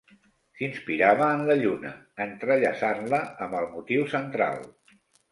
S'inspirava en la lluna, entrellaçant-la amb el motiu central.